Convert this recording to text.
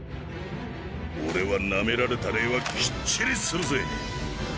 俺はナメられた礼はきっちりするぜ！